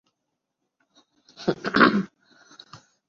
جزائر فارو